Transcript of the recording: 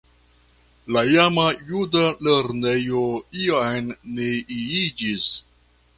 La iama juda lernejo jam neniiĝis.